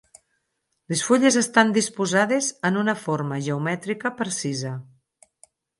Les fulles estan disposades en una forma geomètrica precisa.